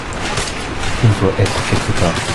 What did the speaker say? Il doit être quelque part.